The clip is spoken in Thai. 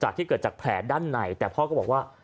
เกิดมาจากแผลด้านในแต่พ่อบอกว่า